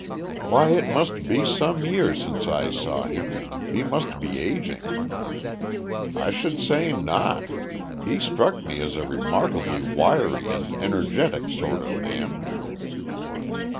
"Why it must be some years since I saw him. He must be ageing." "I should say not. He struck me as a remarkably wiry and energetic sort of man."